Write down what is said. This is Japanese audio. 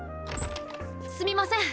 すみません。